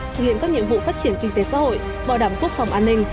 thực hiện các nhiệm vụ phát triển kinh tế xã hội bảo đảm quốc phòng an ninh